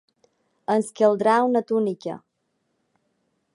Ens caldrà una túnica.